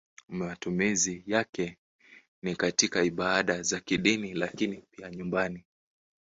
Matumizi yake ni katika ibada za kidini lakini pia nyumbani.